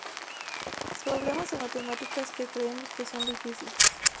problemas de matemáticas que creemos que son difíciles